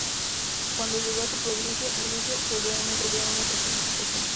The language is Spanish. Cuando llegó a su provincia, encontró a Judea en un estado de agitación.